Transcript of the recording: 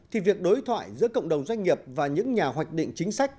những đối thoại giữa cộng đồng doanh nghiệp và những nhà hoạch định chính sách